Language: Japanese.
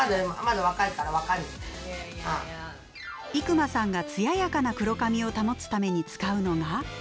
伊熊さんが艶やかな黒髪を保つために使うのが。